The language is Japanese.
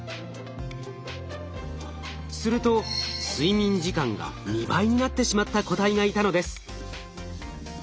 すると睡眠時間が２倍になってしまった個体がいたのです。